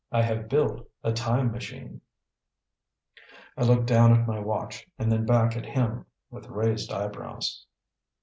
I have built a time machine." I looked down at my watch and then back at him, with raised eyebrows.